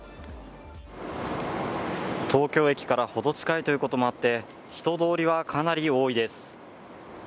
東京駅からほど近いということもあって人通りはかなり多いです。